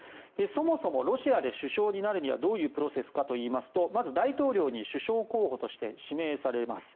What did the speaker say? そもそもロシアで首相になるにはどういうプロセスかといいますとまず大統領に首相候補として指名されます。